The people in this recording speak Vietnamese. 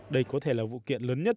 đây có thể là vụ kiện lớn nhất